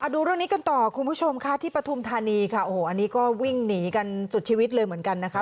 ดูเรื่องนี้กันต่อคุณผู้ชมค่ะที่ปฐุมธานีค่ะโอ้โหอันนี้ก็วิ่งหนีกันสุดชีวิตเลยเหมือนกันนะคะ